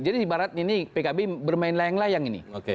jadi di barat ini pkb bermain layang layang ini